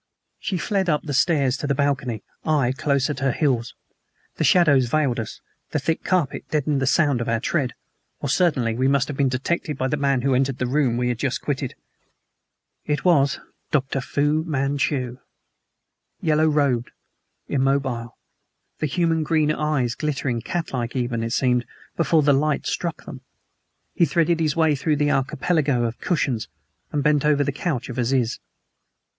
She fled up the stairs to the balcony, I close at her heels. The shadows veiled us, the thick carpet deadened the sound of our tread, or certainly we must have been detected by the man who entered the room we had just quitted. It was Dr. Fu Manchu! Yellow robed, immobile, the inhuman green eyes glittering catlike even, it seemed, before the light struck them, he threaded his way through the archipelago of cushions and bent over the couch of Aziz.